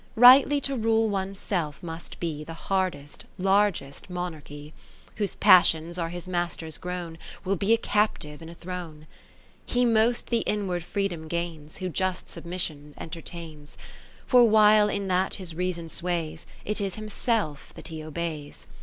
(564) XXV Rightly to rule one's self must be The hardest, largest monarchy : Whose passions are his masters grown, Will be a captive in a throne. 100 XXVI He most the inward freedom gains, W^ho just submissions entertains : For while in that his reason sways. It is himself that he obeys.